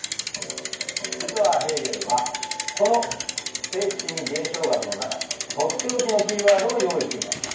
実はヘーゲルはこの「精神現象学」の中に取って置きのキーワードを用意していました。